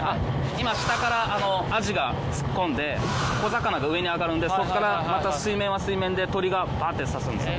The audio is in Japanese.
今下からアジが突っ込んで小魚が上に上がるんでそっからまた水面は水面で鳥がバッて刺すんですよ。